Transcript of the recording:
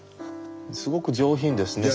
すごく上品ですね。